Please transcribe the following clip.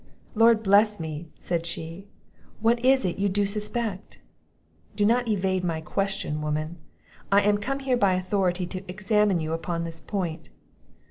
"Lord bless me!" said she, "what is it you do suspect?" "Do not evade my question, woman! I am come here by authority to examine you upon this point."